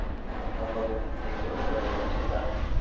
আমার পকেট থেকে ওটা বের হচ্ছে না।